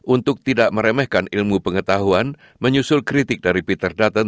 untuk asbest yang terkontaminasi mulsaf di sydney